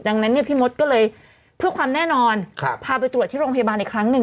ดังนั้นเนี่ยพี่มดก็เลยเพื่อความแน่นอนพาไปตรวจที่โรงพยาบาลอีกครั้งหนึ่ง